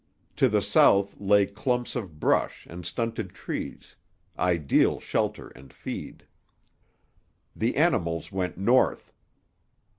To the south lay clumps of brush and stunted trees, ideal shelter and feed. The animals went north.